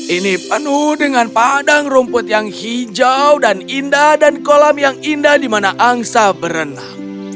ini penuh dengan padang rumput yang hijau dan indah dan kolam yang indah di mana angsa berenang